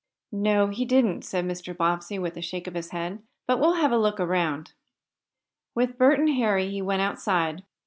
"No, he didn't," said Mr. Bobbsey, with a shake of his head. "But we'll have a look around." With Bert and Harry he went outside.